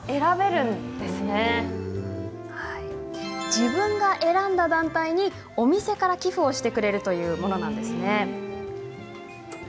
自分が選んだ団体にお店から寄付をしてくれるというものなんです。